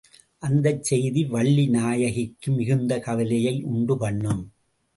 அந்தச் செய்தி வள்ளி நாயகிக்கு மிகுந்த கவலையை உண்டுபண்ணும்.